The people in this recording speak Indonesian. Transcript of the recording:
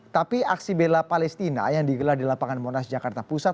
tapi aksi bela palestina yang digelar di lapangan monas jakarta pusat